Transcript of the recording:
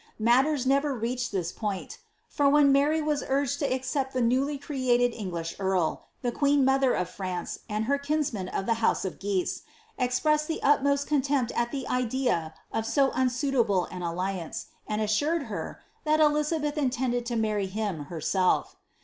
Matters never reached this point; for when Mary was urged to accept the newly created Englisli earl, the queen mother of France, and her kinsmen of the house of Guise, ex pre^seil the utmost contempt at the idea of so unsuitable an alliance, and ts«ured her, that Elizabeth intended to marry him herself.